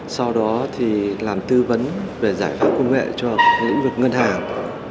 sau đó thì làm tư vấn về giải pháp công nghệ cho lĩnh vực ngân hàng